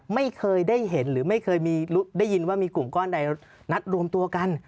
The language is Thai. ไม่เคยได้เห็นหรือไม่เคยได้ยินว่ามีกลุ่มก้อนใดนัดรวมตัวกัน